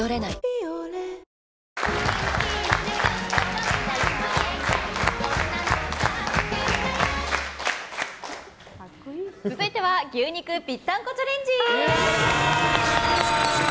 「ビオレ」続いては牛肉ぴったんこチャレンジ！